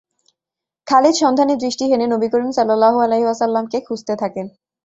খালিদ সন্ধানী দৃষ্টি হেনে নবী করীম সাল্লাল্লাহু আলাইহি ওয়াসাল্লাম-কে খুঁজতে থাকেন।